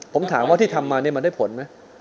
ผมถามว่าที่ทำมานี่มันได้ผลไหม